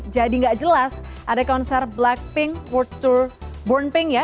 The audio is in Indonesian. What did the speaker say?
jadi gak jelas ada konser blackpink world tour born pink ya